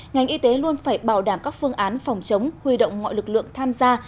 ngành y tế luôn phải bảo đảm các phương án phòng chống huy động mọi lực lượng tham gia